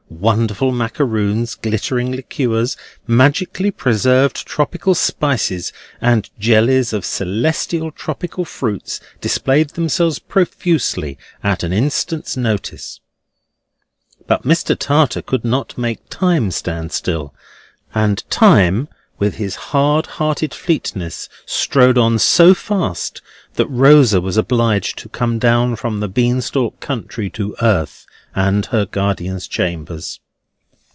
Wonderful macaroons, glittering liqueurs, magically preserved tropical spices, and jellies of celestial tropical fruits, displayed themselves profusely at an instant's notice. But Mr. Tartar could not make time stand still; and time, with his hard hearted fleetness, strode on so fast, that Rosa was obliged to come down from the bean stalk country to earth and her guardian's chambers.